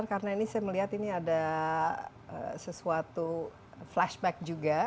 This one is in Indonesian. karena ini saya melihat ini ada sesuatu flashback juga